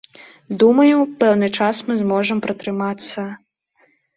Думаю, пэўны час мы зможам пратрымацца.